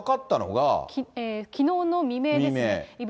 きのうの未明です。